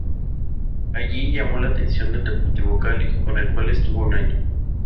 Allí llamó la atención del Deportivo Cali con el cual estuvo un año.